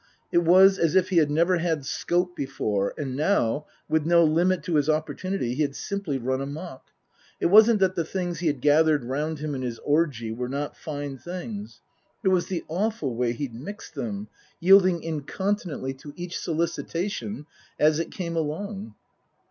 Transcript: It was as if he had never had scope before, and now, with no limit to his opportunity, he had simply run amok. It wasn't that the things he had gathered round him in his orgy were not fine things. It was the awful way he'd mixed them, yielding inconti nently to each solicitation as it came along.